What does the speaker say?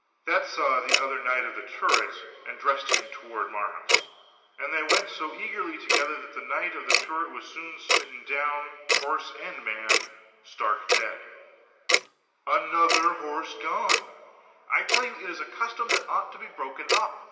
"That saw the other knight of the turret, and dressed him toward Marhaus, and they went so eagerly together, that the knight of the turret was soon smitten down, horse and man, stark dead " "Another horse gone; I tell you it is a custom that ought to be broken up.